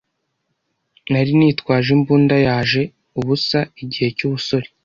Nari nitwaje imbunda yaje ubusaIgihe cyubusore